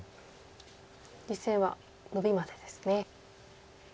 実戦はノビまでですね。